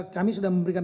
kami sudah memberikan